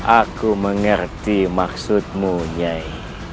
aku mengerti maksudmu nyai